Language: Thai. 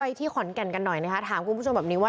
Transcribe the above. ที่ขอนแก่นกันหน่อยนะคะถามคุณผู้ชมแบบนี้ว่า